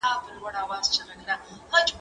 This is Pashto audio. زه اوږده وخت کښېناستل کوم؟